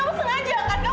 kamu sengaja kan